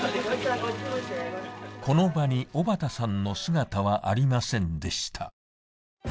この場に尾畠さんの姿はありませんでした